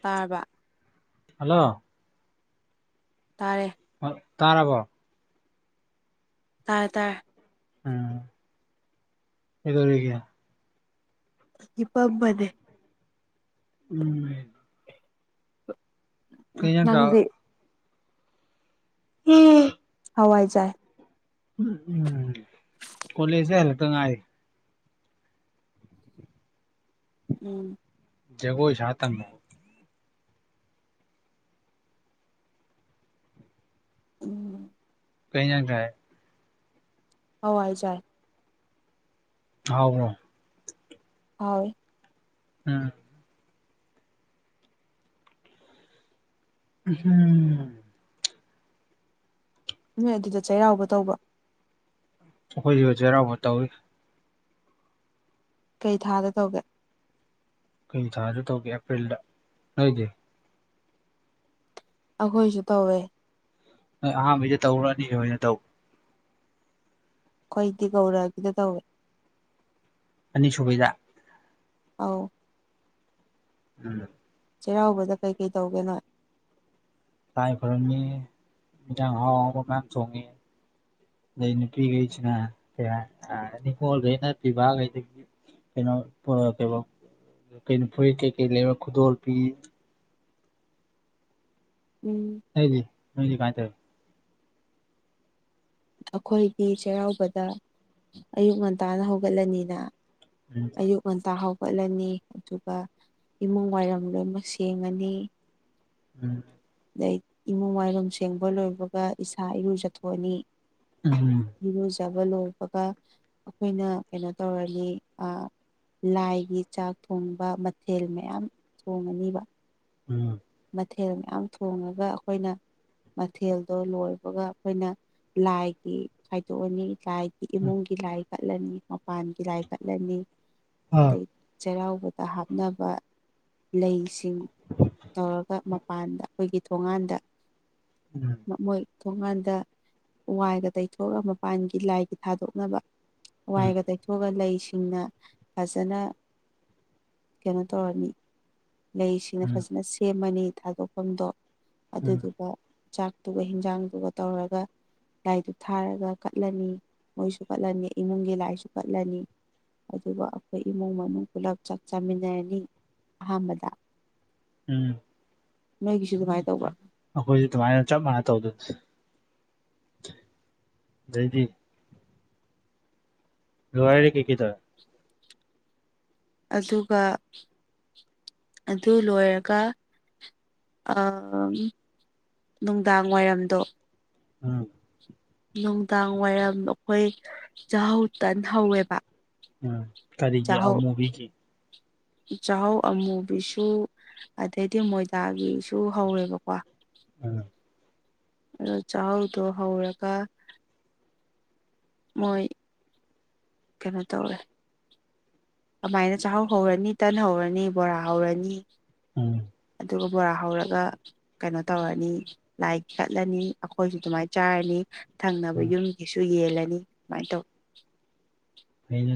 ꯇꯥꯔꯕ ꯍꯜꯂꯣ ꯇꯥꯔꯦ ꯍꯣꯏ ꯇꯥꯔꯕꯣ ꯇꯥꯔꯦ ꯇꯥꯔꯦ ꯎꯝ ꯀꯩꯗꯧꯔꯤꯒꯦ ꯍꯤꯞꯄꯝꯕꯅꯦ ꯎꯝ ꯀꯩ ꯏꯟꯖꯥꯡ ꯆꯥ ꯅꯪꯗꯤ [unintelligible] ꯍꯋꯥꯏ ꯆꯥꯏ ꯎꯝ ꯎꯝ ꯀꯣꯂꯦꯖꯦ ꯍꯂꯛꯇ ꯉꯥꯏꯔꯤ ꯎꯝ ꯖꯒꯣꯏ ꯁꯥ ꯇꯝꯃꯣ ꯎꯝ ꯀꯩ ꯌꯦꯟꯖꯥꯡ ꯆꯥꯏ ꯍꯋꯥꯏ ꯆꯥꯏ ꯍꯥꯎꯕ꯭ꯔꯣ ꯍꯥꯎ ꯎꯝ ꯎꯍꯝ ꯅꯣꯏ ꯑꯗꯨꯗ ꯆꯩꯔꯥꯎꯕ ꯇꯧꯕꯔꯣ ꯑꯩꯈꯣꯏꯁꯨ ꯆꯩꯔꯥꯎꯕ ꯇꯧꯏ ꯀꯩ ꯊꯥꯗ ꯇꯧꯒꯦ ꯀꯩ ꯊꯥꯗ ꯇꯧꯒꯦ ꯑꯦꯄ꯭ꯔꯤꯜꯗ ꯅꯣꯏꯗꯤ ꯑꯩꯈꯣꯏꯁꯨ ꯇꯧꯋꯦ ꯅꯣꯏ ꯑꯍꯥꯟꯕꯩꯗ ꯇꯧꯕ꯭ꯔ ꯑꯅꯤꯁꯨꯕꯩꯗ ꯇꯧꯕ꯭ꯔ ꯑꯩꯈꯣꯏꯗꯤ ꯒꯧꯔꯑꯒꯤꯗ ꯇꯧꯋꯦ ꯑꯅꯤꯁꯨꯕꯩꯗ ꯑꯥꯎ ꯎꯝ ꯆꯩꯔꯥꯎꯕꯗ ꯀꯩ ꯀꯩ ꯇꯧꯒꯦ ꯅꯣꯏ ꯂꯥꯏ ꯈꯨꯔꯝꯃꯤ ꯍꯦꯟꯖꯥꯡ ꯑꯍꯥꯎ ꯑꯍꯥꯎꯕ ꯃꯌꯥꯝ ꯊꯣꯡꯏ ꯑꯗꯩ ꯅꯨꯄꯤꯈꯩꯁꯤꯅ ꯀꯩ ꯍꯤꯏ ꯅꯤꯡꯉꯣꯜꯈꯩꯅ ꯄꯤꯕꯈꯩꯗꯒꯤ ꯀꯩꯅꯣ ꯀꯩꯅꯣ ꯀꯩꯅꯣ ꯐꯨꯔꯤꯠ ꯀꯩꯀꯩ ꯂꯩꯕ ꯈꯨꯗꯣꯜ ꯄꯤ ꯎꯝ ꯑꯇꯩꯗꯤ ꯅꯣꯏꯗꯤ ꯀꯝꯃꯥꯏ ꯇꯧꯏ ꯑꯩꯈꯣꯏꯗꯤ ꯆꯩꯔꯥꯎꯕꯗ ꯑꯌꯨꯛ ꯉꯟꯇꯥꯅ ꯍꯧꯒꯠꯂꯅꯤꯅ ꯎꯝ ꯑꯌꯨꯛ ꯉꯟꯇꯥ ꯍꯧꯒꯠꯂꯅꯤ ꯑꯗꯨꯒ ꯏꯃꯨꯡ ꯋꯥꯏꯔꯝ ꯂꯣꯏꯃꯛ ꯁꯦꯡꯉꯅꯤ ꯎꯝ ꯑꯗꯩ ꯏꯃꯨꯡ ꯋꯥꯥꯏꯔꯨꯝ ꯁꯦꯡꯕ ꯂꯣꯏꯕꯒ ꯏꯁꯥ ꯏꯔꯨꯖꯊꯣꯛꯑꯅꯤ ꯎꯝ ꯏꯔꯨꯖꯕ ꯂꯣꯏꯕꯒ ꯑꯩꯈꯣꯏꯅ ꯀꯩꯅꯣ ꯇꯧꯔꯅꯤ ꯂꯥꯏꯒꯤ ꯆꯥꯛ ꯊꯣꯡꯕ ꯃꯊꯦꯜ ꯃꯌꯥꯝ ꯊꯣꯡꯉꯅꯤꯕ ꯎꯝ ꯃꯊꯦꯜ ꯃꯌꯥꯝ ꯊꯣꯡꯉꯒ ꯑꯩꯈꯣꯏꯅ ꯃꯊꯦꯜꯗꯣ ꯂꯣꯏꯕꯒ ꯑꯩꯈꯣꯏꯅ ꯂꯥꯏꯒꯤ ꯗꯣꯛꯑꯅꯤ ꯂꯥꯏꯒꯤ ꯎꯝ ꯏꯃꯨꯡꯒꯤ ꯂꯥꯏ ꯀꯠꯂꯅꯤ ꯃꯄꯥꯟꯒꯤ ꯂꯥꯏ ꯀꯠꯂꯅꯤ ꯑꯥ ꯑꯗꯩ ꯆꯩꯔꯥꯎꯕꯗ ꯍꯥꯞꯅꯕ ꯂꯩꯁꯤꯡ [unintelligible] ꯇꯧꯔꯒ ꯃꯄꯥꯟꯗ ꯑꯩꯈꯣꯏꯒꯤ ꯊꯣꯉꯥꯟꯗ ꯎꯝ ꯃꯣꯏ ꯊꯣꯡꯀꯥꯟꯗ ꯋꯥꯏꯒ ꯇꯩꯊꯣꯛꯑꯒ ꯃꯄꯥꯟꯒꯤ ꯂꯥꯏꯒꯤ ꯊꯥꯗꯣꯛꯅꯕ ꯎꯝ ꯋꯥꯏꯒ ꯇꯩ ꯑꯗꯨꯒ ꯂꯩꯁꯤꯡꯅ ꯐꯖꯅ ꯀꯩꯅꯣ ꯇꯧꯔꯅꯤ ꯂꯩꯁꯤꯅ ꯎꯝ ꯐꯖꯅ ꯁꯦꯝꯃꯅꯤ ꯊꯥꯗꯣꯛꯐꯝꯗꯣ ꯎꯝ ꯑꯗꯨꯗꯨꯒ ꯆꯥꯛꯇꯨꯒ ꯍꯤꯟꯖꯥꯡꯗꯨꯒ ꯇꯧꯔꯒ ꯂꯥꯏꯗꯨ ꯊꯥꯔꯒ ꯀꯠꯂꯅꯤ ꯃꯣꯏꯁꯨ ꯀꯠꯂꯅꯤ ꯏꯃꯨꯡꯒꯤ ꯂꯥꯏꯁꯨ ꯀꯠꯂꯅꯤ ꯑꯗꯨꯒ ꯑꯩꯈꯣꯏ ꯏꯃꯨꯡ ꯃꯅꯨꯡ ꯄꯨꯂꯞ ꯆꯥꯛ ꯆꯥꯃꯤꯟꯅꯔꯅꯤ ꯑꯍꯥꯟꯕꯗ ꯎꯝ ꯅꯣꯏꯒꯤꯁꯨ ꯑꯗꯨꯃꯥꯏꯅ ꯇꯧꯕ꯭ꯔ ꯑꯩꯈꯣꯏꯁꯦ ꯑꯗꯨꯃꯥꯏꯅ ꯆꯞ ꯃꯥꯟꯅ ꯇꯧꯗꯅ ꯂꯩꯗꯤ ꯂꯋꯥꯔꯦ ꯀ ꯀ ꯇꯔ ꯑꯗꯨꯒ ꯑꯗꯨ ꯂꯣꯏꯔꯒ ꯅꯨꯡꯗꯥꯡ ꯋꯥꯏꯔꯝꯗꯣ ꯎꯝ ꯅꯨꯡꯗꯥꯡ ꯋꯥꯏꯔꯝ ꯑꯩꯈꯣꯏ ꯆꯥꯛꯍꯧ ꯇꯟꯍꯧꯋꯦꯕ ꯎꯝ ꯀꯔꯤꯒꯤ ꯑ ꯃꯨꯚꯒꯤ ꯆꯥꯍꯧꯎ ꯑꯃꯨꯕꯤꯁꯨ ꯑꯗꯩꯗꯤ ꯃꯣꯏꯗꯥꯒꯤꯁꯨ ꯍꯧꯋꯦꯕꯀꯣ ꯑ ꯑꯗ ꯆꯥꯛꯍꯥꯎꯗꯣ ꯍꯧꯔꯒ ꯃꯣꯏ ꯀꯩꯅꯣ ꯇꯧꯋꯦ ꯀꯃꯥꯏꯅ ꯆꯥꯛꯍꯥꯎ ꯍꯧꯔꯅꯤ ꯇꯟ ꯍꯧꯔꯅꯤ ꯕꯣꯔꯥ ꯍꯧꯔꯅꯤ ꯎꯝ ꯑꯗꯨꯒ ꯕꯣꯔꯥ ꯍꯧꯔꯒ ꯀꯩꯅꯣ ꯇꯧꯔꯅꯤ ꯂꯥꯏ ꯀꯠꯂꯅꯤ ꯑꯩꯈꯣꯏꯁꯨ ꯑꯗꯨꯃꯥꯏꯅ ꯆꯥꯔꯅꯤ ꯊꯪꯅꯕ ꯎꯝ ꯌꯨꯝꯒꯤꯁꯨ ꯌꯦꯜꯂꯅꯤ ꯑꯗꯨꯃꯥꯏꯅ ꯇꯧ ꯑꯩꯅ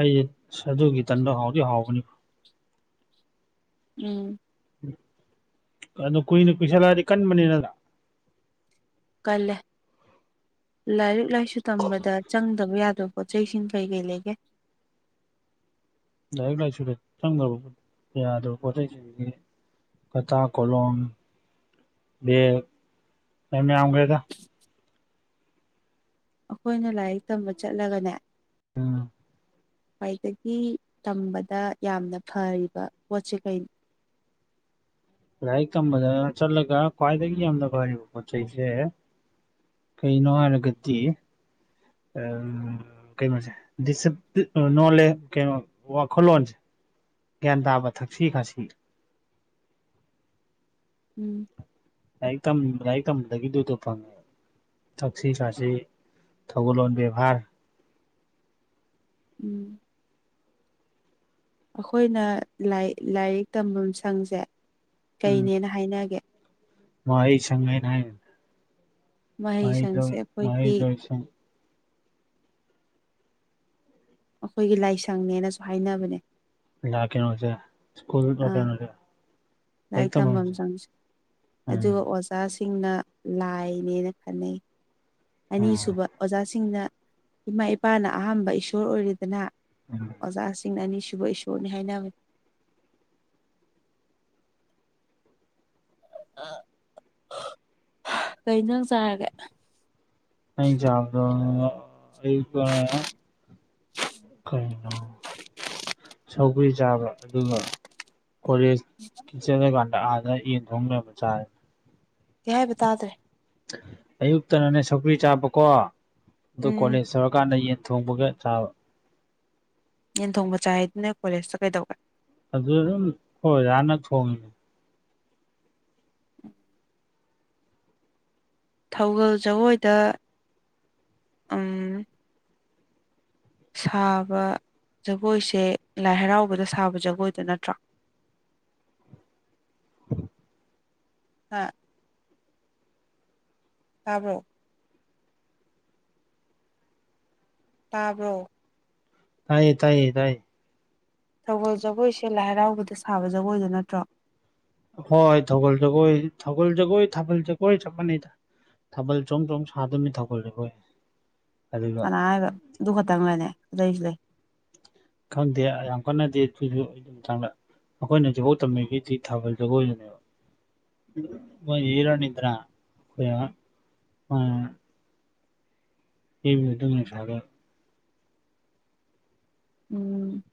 ꯑꯩꯁꯦ ꯑꯗꯨꯒꯤ ꯇꯟꯗ ꯍꯥꯎꯗꯤ ꯍꯥꯎꯕꯅꯤ ꯎꯝ ꯑꯗꯨꯣ ꯀꯨꯏꯅ ꯀꯨꯏꯁꯜꯂꯛꯑꯗꯤ ꯀꯟꯕꯅꯤꯅꯅ ꯀꯂ ꯂꯥꯏꯔꯤꯛ ꯂꯥꯏꯁꯨ ꯇꯝꯕꯗ ꯆꯪꯗꯕ ꯌꯥꯗꯕ ꯄꯣꯠ ꯆꯩꯁꯤꯡ ꯀꯩ ꯀꯩ ꯂꯩꯒꯦ ꯂꯥꯏꯔꯤꯛ ꯂꯥꯏꯁꯨꯗ ꯆꯪꯗꯕ ꯌꯥꯗꯕ ꯄꯣꯠꯩꯁꯤꯡꯁꯤꯒꯤ ꯀꯊ ꯀꯣꯂꯣꯝ ꯒ ꯑ ꯌꯥ ꯑꯒꯦꯗ ꯑꯩꯈꯣꯏꯅ ꯂꯥꯏꯔꯤꯛ ꯇꯝꯕ ꯆꯠꯂꯒꯅꯦ ꯎꯝ ꯈ꯭ꯋꯥꯏꯗꯒꯤ ꯇꯝꯕꯗ ꯌꯥꯝꯅ ꯐꯔꯤꯕ ꯄꯣꯠꯁꯤ ꯀꯩꯩꯅꯣ ꯂꯥꯏꯔꯤꯛ ꯇꯝꯕꯗ ꯆꯠꯂꯒ ꯈ꯭ꯋꯥꯏꯗꯒꯤ ꯌꯥꯝꯅ ꯐꯔꯤꯕ ꯄꯣꯠ ꯆꯩꯁꯦ ꯀꯩꯅꯣ ꯍꯥꯏꯔꯒꯗꯤ ꯎ ꯀꯩꯅꯣꯁꯦꯣ ꯀꯩꯅꯣ ꯋꯥꯈꯜꯂꯣꯟꯁꯦ ꯒ꯭ꯌꯥꯟ ꯇꯥꯕ ꯊꯛꯁꯤ ꯈꯥꯁꯤ ꯎꯝ ꯑꯩꯥꯏ ꯀꯝꯥꯏ ꯀꯗꯒꯗꯨ ꯊꯣꯛꯣ ꯐꯉꯦ ꯊꯛꯁꯤ ꯈꯥꯁꯤ ꯊꯧꯒꯜꯂꯣꯟ ꯕꯦꯕꯥꯔ ꯎꯝ ꯑꯩꯈꯣꯏꯅ ꯂꯥꯏꯔꯤꯛ ꯇꯐꯝ ꯁꯪꯁꯦ ꯀꯩꯅꯦꯅ ꯍꯥꯏꯅꯒꯦ ꯃꯥꯏ ꯁꯉꯥꯏ ꯃꯍꯩ ꯁꯪꯁꯦ ꯑꯩꯈꯣꯏꯒꯤ ꯂꯁ ꯑꯩꯈꯣꯏꯒꯤ ꯂꯥꯏꯁꯪꯅꯦꯅꯁꯨ ꯍꯥꯏꯅꯕꯅꯦ ꯂꯥꯛꯀꯦꯅꯁ ꯁ꯭ꯀꯨꯜ ꯋꯥ ꯑꯥ ꯀꯦ ꯂꯥꯏꯔꯤꯛ ꯇꯝꯐꯝ ꯆꯪꯁꯦ ꯑꯗꯨꯒ ꯎꯝ ꯑꯣꯖꯥꯁꯤꯡꯅ ꯂꯥꯏꯅꯦꯅ ꯈꯟꯅꯩ ꯎꯝ ꯑꯅꯤꯁꯨꯕ ꯑꯣꯖꯥꯁꯤꯡꯅ ꯏꯃꯥ ꯏꯄꯥꯅ ꯑꯍꯝꯕ ꯏꯁꯣꯔ ꯑꯣꯏꯔꯤꯦꯗꯅ ꯎꯝ ꯑꯣꯖꯥꯁꯤꯡꯅ ꯑꯅꯤꯁꯨꯕ ꯏꯁꯣꯔꯅꯤ ꯍꯥꯏꯅꯕꯅꯤ ꯀꯩ ꯖꯥꯡ ꯆꯥꯔꯒꯦ ꯑꯩꯅ ꯆꯥꯕꯗꫭ ꯑꯌꯨꯛꯇ ꯃꯌꯥꯝ ꯀꯩꯅꯣ ꯁꯧꯒ꯭ꯔꯤ ꯆꯥꯕ ꯑꯗꯨꯒ ꯀꯣꯂꯦꯖꯀꯤ ꯆꯠꯂꯀꯥꯟꯗ ꯑꯥꯗ ꯌꯦꯟ ꯊꯣꯡ ꯂꯩꯔꯝꯕ ꯆꯥꯔꯦ ꯀꯩ ꯍꯥꯏꯕ ꯇꯥꯗ꯭ꯔꯦ ꯑꯌꯨꯛꯇꯅꯅꯦ ꯁꯧꯒꯔꯤ ꯆꯥꯕꯀꯣ ꯑꯗꯨ ꯎꯝ ꯀꯣꯂꯦꯖ ꯌꯧꯔꯀꯥꯟꯗ ꯌꯦꯟ ꯊꯣꯡꯕꯒ ꯆꯥꯕ ꯌꯦꯟꯊꯣꯡꯕ ꯆꯥꯏ ꯍꯥꯏꯗꯨꯅ ꯅꫭꯏ ꯀꯣꯂꯦꯖꯇ ꯀꯩꯗꯧꯕ ꯑꯗꯨꯗ ꯑꯗꯨꯝ ꯑꯈꫭꯏ ꯑꫭꯖꯥꯅ ꯊꯣꯡꯉꯤꯅꯦ ꯎ ꯊꯧꯒꯜ ꯖꯒꯣꯏꯗ ꯁꯥꯕ ꯖꯒꯣꯏꯁꯦ ꯂꯥꯏ ꯍꯔꯥꯎꯕꯗ ꯁꯥꯕ ꯖꯒꯣꯏꯗꯣ ꯅꯠꯇ꯭ꯔꯣ ꯍꯥ ꯇꯥꯕ꯭ꯔꯣ ꯇꯥꯕ꯭ꯔꯣ ꯇꯥꯏꯌꯦ ꯇꯥꯏꯌꯦ ꯇꯥꯏꯌꯦ ꯁꯒꯣꯜ ꯖꯒꯣꯏꯁꯦ ꯂꯥꯏ ꯍꯔꯥꯎꯕꯗ ꯁꯥꯕ ꯖꯒꯣꯏꯗꯣ ꯅꯠꯇ꯭ꯔꯣ ꯍꯣꯏ ꯊꯧꯒꯜ ꯖꯒꯣꯏ ꯊꯧꯒꯜ ꯖꯒꯣꯏ ꯊꯥꯕꯜ ꯖꯒꯣꯏ ꯆꯞ ꯃꯥꯟꯅꯩꯗ ꯊꯕꯜ ꯆꯣꯡ ꯆꯣꯡ ꯁꯥꯗꫭꯏꯃꯤ ꯊꯥꯕꯜ ꯏꯕꫭꯏ ꯀꯅꯥ ꯍꯥꯏꯕ ꯑꯗꯨ ꯈꯛꯇꯪꯔꯅꯦ ꯑꯗꯇꯩꯖꯨ ꯂꯩ ꯈꯪꯗꯦ ꯌꯥꯝ ꯀꯟꯅꯗꯤ ꯑꯩꯖꯨ ꯑꯗꯨꯃꯇꯥꯡꯗ ꯑꯩꯈꯣꯏꯅ ꯖꯒꫭꯏ ꯇꯝꯃꯤꯒꯤꯗꯤ ꯊꯥꯕꯜ ꯖꯒꯣꯏꯗꯨꯅꯦꯕ ꯃꫭꯏ ꯌꯩꯔꯛꯑꯅꯤꯗꯅꯔ ꯑꯩꯈꫭꯏꯅ ꯏꯕꯗꯨ ꯅꯨꯡꯁꯥꯒ ꯎꯝ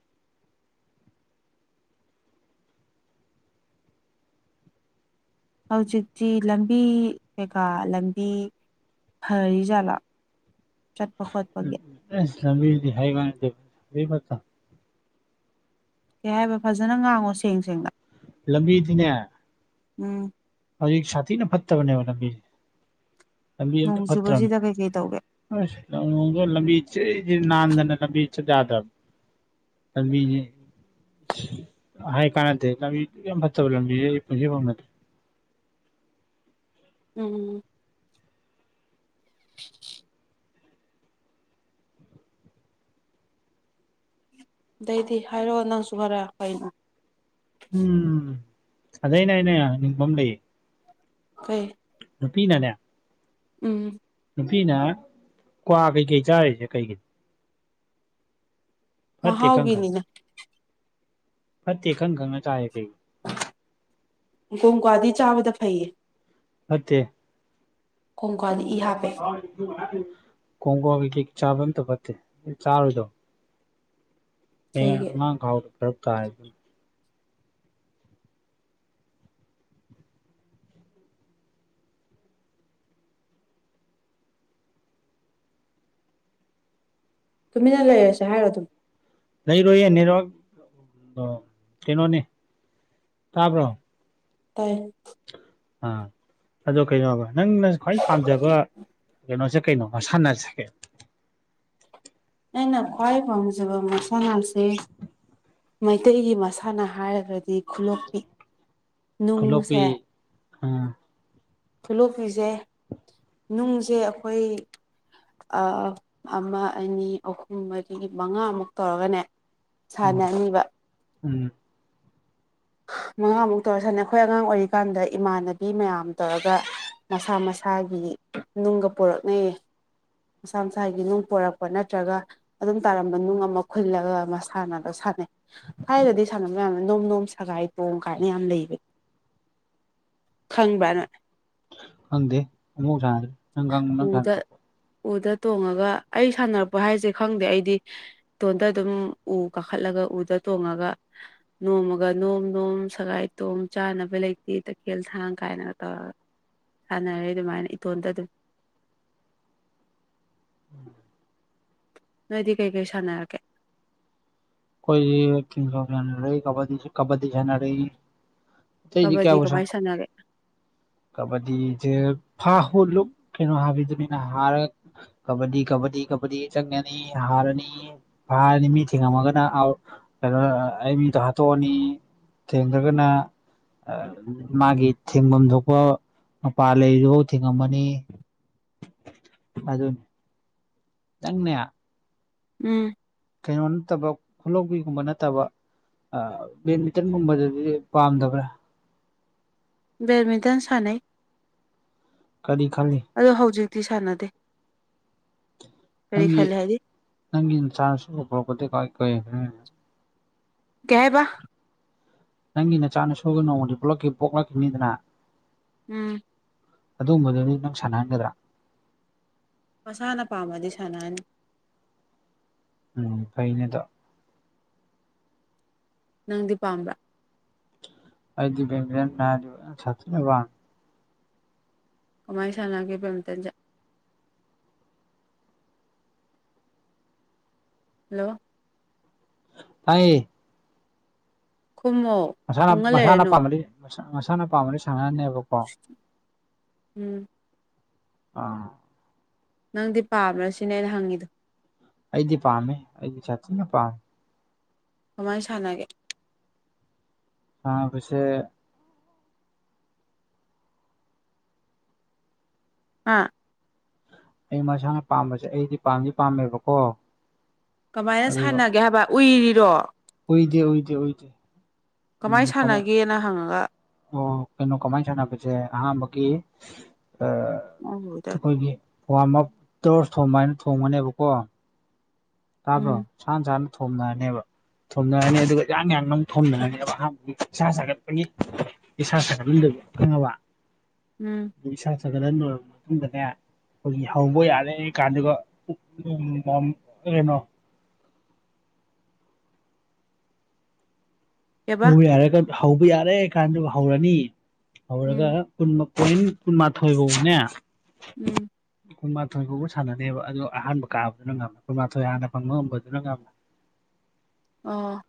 ꯍꯧꯖꯤꯛꯇꯤ ꯂꯝꯕꯤ ꯀꯩꯀꯥ ꯂꯝꯕꯤ ꯐꯔꯤꯖꯥꯠꯂꯥ ꯆꯠꯄ ꯈꫭꯠꯄꯒꯤ ꯑꯁ ꯂꯝꯕꯤꯗꯤ ꯍꯥꯏꯀꯥꯟꯅꯗꯦ ꯂꯝꯕꯤ ꯐꯠꯇ ꯀꯩ ꯍꯥꯏꯕ ꯐꯖꯅ ꯉꯥꯡꯉꯣ ꯁꯦꯡ ꯁꯦꯡꯅ ꯂꯝꯕꯤꯗꯤꯅꯦ ꯎꯝ ꯍꯧꯖꯤꯛ ꯁꯥꯊꯤꯅ ꯐꯠꯇꯕꯅꯦꯕ ꯂꯝꯕꯤꯖꯦ ꯂꯝꯕꯤ ꯑꯝꯇ ꯅꯣꯡ ꯐꯠꯇꯔꯅꯦꯕ ꯆꯨꯕꯁꯤꯗ ꯀꯩꯀꯩ ꯇꯧꯒꯦ ꯑꯁ ꯂꯝꯂꫭꯡꯗ ꯂꯝꯕꯤ ꯖꯔꯤ ꯖꯔꯤ ꯅꯥꯟꯗꯅ ꯂꯝꯕꯤ ꯆꯠ ꯌꯥꯗ꯭ꯔꯝꯅꯦ ꯂꯝꯕꯤꯖꯦ ꯍꯥꯏ ꯀꯥꯟꯅꯗꯩ ꯂꯝꯕꯤ ꯑꯗꯨꯛꯌꯥꯝ ꯐꯠꯇꯕ ꯂꯝꯕꯤ ꯑꯩ ꯄꯨꯟꯁꯤ ꯎꯅꯗ꯭ꯔꯤ ꯎꯝ ꯑꯗꯩꯗꯤ ꯍꯥꯏꯔꯛꯑꯣ ꯅꯪꯁꯨ ꯈꯔ ꯀꯩꯅꯣ ꯎꯝ ꯑꯗꯩꯅꯅꯦ ꯈꯪꯅꯤꯡꯕꯃ ꯂꯩꯌꯦ ꯀꯩ ꯅꯨꯄꯤꯅꯅꯦ ꯎꯝ ꯅꯨꯄꯤꯅ ꯀ꯭ꯋꯥ ꯀꯩꯀꯩ ꯆꯥꯔꯤꯖꯦ ꯀꯩꯒꯤꯅꯣ ꯐꯠꯇꯦ ꯈꯪ ꯈꯪ ꯃꯍꯥꯎꯒꯤꯅꯤꯅꯦ ꯐꯠꯇꯦ ꯈꯪ ꯈꯪꯅ ꯆꯥꯏꯌꯦ ꯀꯩꯒꯤ ꯀꫭꯡꯀ꯭ꯋꯥꯗꯤ ꯆꯥꯕꯗ ꯐꯩꯌꯦ ꯐꯠꯇꯦ ꯀꯣꯡꯀ꯭ꯋꯥꯗꯤ ꯏ ꯍꯥꯞꯄꯦ [unintelligible] ꯀꯣꯡꯀ꯭ꯋꯥ ꯀꯩ ꯀꯩ ꯆꯥꯕ ꯑꯝꯇ ꯐꯠꯇꯦ ꯆꯥꯔꯣꯏꯗꯧ ꯍꯌꯦꯡ ꯀꯩꯒꯤ ꯑꯉꯥꯡ ꯀꯧꯔꯛꯄ ꯀꯥꯏ ꯑꯗꯨꯅ ꯇꯨꯃꯤꯟꯅ ꯂꯩꯔꯁꯦ ꯍꯥꯏꯔꯣ ꯑꯗꯨꯝ ꯂꯩꯔꯣꯏꯌꯦ ꯑꯅꯤꯔꯛ ꯑ ꯀꯩꯅꯣꯅꯦ ꯇꯥꯕ꯭ꯔꯣ ꯇꯥꯏ ꯑꯥ ꯑꯗꯣ ꯀꯩꯅꯣꯕ ꯅꯪꯅ ꯈ꯭ꯋꯥꯏ ꯄꯥꯝꯖꯕ ꯀꯩꯅꯣꯁꯦ ꯀꯩꯩꯅꫭ ꯃꯁꯥꯟꯅꯁꯦ ꯅꯪꯅ ꯈ꯭꯭ꯋꯥꯢ ꯄꯥꯝꯖꯕ ꯃꯁꯥꯅꯁꯦ ꯃꯩꯇꯩꯒꯤ ꯃꯁꯥꯟꯅ ꯍꯥꯏꯔꯒꯗꯤ ꯈꯨꯂꯣꯛꯄꯤ ꯈꯨꯂꯣꯛꯄꯤ ꯅꯨꯡꯁꯦ ꯑꯥ ꯈꯨꯂꯣꯛꯄꯤꯁꯦ ꯅꯨꯡꯁꯦ ꯑꯩꯈꯣꯏ ꯑ ꯑꯃ ꯑꯅꯤ ꯑꯍꯨꯝ ꯃꯔꯤ ꯃꯉꯥꯃꯨꯛ ꯇꯧꯔꯒꯅꯦ ꯎꯝ ꯁꯥꯟꯅꯅꯤꯕ ꯎꯝ ꯃꯪꯉꯥꯃꯨꯛ ꯇꯧꯔ ꯁꯥꯟꯅꯩ ꯑꯩꯈꯣꯏ ꯑꯉꯥꯡ ꯑꯣꯏꯔꯤꯀꯥꯟꯗ ꯏꯃꯥꯟꯅꯕꯤ ꯃꯌꯥꯝ ꯇꯧꯔꯒ ꯃꯁꯥ ꯃꯁꯥꯒꯤ ꯅꯨꯡꯒ ꯄꯨꯔꯛꯅꯩꯌꯦ ꯃꯁꯥ ꯃꯁꯥꯒꯤ ꯅꯨꯡ ꯄꯨꯔꯛꯄ ꯅꯠꯇ꯭ꯔꯒ ꯑꯗꯨꯝ ꯇꯥꯔꯝꯕ ꯅꯨꯡ ꯑꯃ ꯈꯨꯜꯂꯒ ꯃꯁꯥꯟꯅꯗꫭ ꯁꯥꯟꯅꯩ ꯊꯥꯏꯅꯗꯤ ꯁꯥꯟꯅꯕ ꯃꯌꯥꯝꯅ ꯅꯣꯝ ꯅꯣꯝ ꯁꯒꯥꯏ ꯇꯣꯡ ꯀꯥꯏꯅ ꯌꯥꯝ ꯂꯩꯕꯅꯤ ꯈꯪꯕ꯭ꯔꯅꯪ ꯈꯪꯗꯦ ꯑꯃꯨꯕꯨꯛ ꯁꯥꯥꯟꯅꯗꯔꯤ ꯎꯗ ꯎꯗ ꯇꯣꯡꯉꯒ ꯑꯩ ꯁꯥꯟꯅꯕꯔꯛꯄ ꯍꯥꯏꯖꯦ ꯈꯪꯗꯦ ꯑꯩꯗꯤ ꯏꯇꯣꯟꯗ ꯑꯗꯨꯝ ꯎ ꯀꯥꯈꯠꯂꯒ ꯎꯗ ꯇꯣꯡꯉꯒ ꯅꯣꯝꯃꯒ ꯅꯣꯝ ꯅꯣꯝ ꯁꯒꯥꯏ ꯇꯣꯝ ꯆꯥꯅꯕ ꯂꯩꯇꯦ ꯇꯈꯦꯜ ꯊꯥꯡ ꯀꯥꯏꯅꯒ ꯇꯧꯔꯒ ꯁꯥꯟꯅꯔꯦ ꯑꯗꯨꯃꯥꯏꯅ ꯏꯇꯣꯟꯗ ꯑꯗꯨꯝ UNINTELLIGIBLE ꯅꯣꯏꯗꯤ ꯀꯩ ꯀꯩ ꯁꯥꯟꯅꯔꯛꯀꯦ ꯈꯣꯢꯗꯤ ꯊꯤꯟ ꯀꯥꯟ ꯃꯌꯥꯝ ꯂꫭꯏ ꯀꯕꯗꯤꯁꯨ ꯀꯕꯗꯤ ꯁꯥꯟꯅꯔꯩ ꯀꯕꯗꯤ ꯀꯃꯥꯏꯅ ꯁꯥꯟꯅꯒꯦ ꯀꯕꯗꯤ ꯐ ꯍ ꯂꯨꯛ ꯀꯩꯅꯣ ꯍꯥꯕꯤꯗꯨꯃꯤꯅꯦ ꯍꯥꯔ ꯀꯕꯗꯤ ꯀꯕꯗꯤ ꯀꯕꯗꯤ ꯆꯪꯌꯥꯅꯤ ꯍꯔꯅꯤ ꯐꯔꯅꯤ ꯃꯤ ꯊꯤꯡꯉꯝꯃꯒꯅ ꯑꯥꯎ ꯅꯣ ꯑꯩ ꯃꯤꯗꯣ ꯍꯥꯠꯇꯣꯛꯑꯅꯤ ꯊꯦꯡꯉꯝꯗ꯭ꯔꯒꯅ ꯃꯥꯒꯤ ꯊꯦꯡꯐꯝꯗꯣ ꯃꯄꯥꯥꯟ ꯂꯩꯔꯤꯗꯨꯐꯥꯎ ꯊꯤꯡꯉꯝꯃꯅꯤ ꯑꯗꯨꯅꯤ ꯅꯪꯅꯦ ꯎꯝ ꯀꯩꯅꯣ ꯅꯠꯇꯕ ꯈꯨꯂꯧꯕꯤꯒꯨꯝꯕ ꯅꯠꯇꯕ ꯑ ꯕꯦꯠꯃꯤꯟꯇꯟꯒꯨꯝꯕꯗꯗꯤ ꯄꯥꯝꯗꯕ꯭ꯔꯥ ꯕꯦꯠꯃꯤꯟꯇꯟ ꯁꯅꯩ ꯀꯔꯤ ꯈꯜꯂꯤ ꯑꯗꯣ ꯍꯧꯖꯤꯛꯇꯤ ꯁꯥꯟꯅꯗꯦ ꯀꯔꯤ ꯅꯪꯒꯤ ꯈꯜꯂꯤ ꯍꯥꯏꯗꯤ ꯅꯪꯒꯤ ꯅꯆꯥ ꯅꯁꯨ ꯄ꯭ꯔꯣꯄꯔꯇꯤ ꯀꯥꯏ ꯀꯣꯏ ꯎꯝ ꯀꯩ ꯍꯥꯏꯕ ꯅꯪꯒꯤ ꯅꯆꯥꯅ ꯁꯣꯏꯒ ꯅꯣꯡꯃꯗꯤ ꯄꯨꯂꯛ ꯄꯣꯛꯂꯛꯈꯤꯕꯅꯤꯗꯅ ꯎꯝ ꯑꯗꯨꯒꯨꯝꯕꯗꯨꯅꯤ ꯅꯪ ꯁꯥꯟꯅꯍꯟꯒꯗ꯭ꯔꯥ ꯃꯁꯥꯅ ꯄꯥꯝꯃꯗꯤ ꯁꯥꯟꯅꯍꯟꯅꯤ ꯎ ꯐꯩꯅꯗꫭ ꯅꯪꯗꯤ ꯄꯥꯝꯕ ꯑꯩꯗꯤꯡ UNINTELLIGIBLE ꯀꯃꯥꯏꯅ ꯁꯥꯟꯅꯒꯦ ꯕꯦꯠꯗꯃꯤꯟꯇꯟꯁꯦ ꯍꯜꯂꯣ ꯇꯥꯥꯏꯌꯦ ꯈꯨꯃꫭ ꯁꯥꯅ ꯃꯁꯥꯅ ꯄꯥ ꯃꯁꯥꯅ ꯄꯥꯝꯕꯗꯤ ꯁꯥꯟꯅꯅꯦꯕ ꯑ ꯎꯝ ꯑꯥ ꯅꯪꯗꯤ ꯄꯥꯝ꯭ꯔ ꯁꯤꯅꯦ ꯑꯩꯅ ꯍꯪꯉꯤꯗꯣ ꯑꯩꯗꯤ ꯄꯥꯝꯃꯦ ꯑꯩꯗꯤ ꯆꯊꯤꯅ ꯄꯥꯝꯃꯦ ꯀꯃꯥꯏꯅ ꯁꯥꯟꯅꯒꯦ ꯇꯥ ꯄꯁꯦ ꯑꯥ ꯑꯩ ꯃꯁꯥꯅ ꯄꯥꯝꯕꯁꯦ ꯑꯩꯗꯤ ꯄꯥꯝꯗꯤ ꯄꯥꯝꯃꯦꯕꯀꯣ ꯀꯃꯥꯏꯅ ꯁꯥꯟꯅꯒꯦ ꯍꯥꯏꯕ ꯎꯏꯔꯤꯔꯣ ꯎꯥꯏꯗꯦ ꯎꯗꯦ ꯎꯗꯦ ꯀꯃꯥꯏꯅ ꯁꯥꯟꯅꯒꯦꯅ ꯍꯪꯉꯒ ꯑꯣ ꯀꯩꯅꯣ ꯀꯃꯥꯏꯅ ꯁꯥꯟꯅꯕꯁꯦ ꯑꯍꯥꯟꯕꯒꯤ ꯎꯝ ꯑꯩꯈꯣꯏꯒꯤ ꯄ꯭ꯋꯥ ꯃꯥꯛ ꯇꯔꯣꯁ ꯊꯣꯡ ꯍꯥꯏꯅ ꯊꯣꯡꯒꯅꯦꯕꯀꯣ ꯇꯥꯕ꯭ꯔꯣ ꯁꯥꯅ ꯁꯥꯅ ꯊꯣꯝꯅꯔꯅꯦꯕ ꯊꯣꯝꯅꯔꯅꯤ ꯑꯗꯨꯒ ꯌꯥ ꯌꯥꯅ ꯑꯃꯛ ꯊꯣꯝꯅꯔꯅꯤꯕ ꯑꯍꯥꯟꯕꯒꯤ ꯏꯁꯩꯥ ꯁꯥꯒꯠꯄꯒꯤ ꯑꯩꯁꯥ ꯑꯥꯁꯒꯠ ꯃꯥꯟꯗꯕꯗꯒꯤ ꯈꯪꯑꯕꯔ ꯎꯝ ꯑꯗꯨ ꯏꯁꯥ ꯁꯒꯠꯍꯟ ꯂꯣꯏꯔꯕ ꯃꯇꯨꯡꯗꯅꯦ ꯑꯩꯈꯣꯏꯒꯤ ꯍꯧꯕ ꯌꯥꯔꯦ ꯀꯥꯟꯗꯨꯒ ꯀꯩꯅꯣ ꯀꯩꯕ ꯍꯧ ꯌꯥꯔꯒ ꯍꯧꯕ ꯌꯥꯔꯦ ꯀꯥꯟꯗꯨ ꯍꯧꯔꯅꯤ ꯎꯝ ꯍꯧꯔꯒ ꯀꯨꯟ ꯄꯣꯏꯟ ꯀꯨꯟꯃꯥꯊꯣꯏ ꯐꯧꯅꯦ ꯎꯝ ꯀꯨꯟꯃꯥꯊꯣꯏ ꯐꯥꯎꯕ ꯁꯥꯟꯅꯅꯦꯕ ꯑꯗꯨ ꯑꯍꯥꯟꯕ ꯀꯥꯕꯗꯨꯅ ꯉꯝꯃꯦ ꯀꯨꯟꯃꯥꯊꯣꯏ ꯍꯥꯟꯅ ꯐꯪꯕ ꯉꯝꯕꯗꯨꯅ ꯉꯝꯃꯦ ꯑ